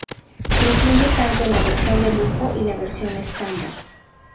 Se incluye tanto en la versión de lujo y la versión estándar.